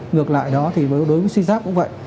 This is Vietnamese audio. ngược lại đó thì đối với suy giáp cũng vậy